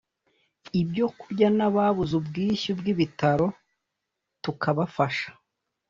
ibyo kurya n’ababuze ubwishyu bw’ibitaro tukabafasha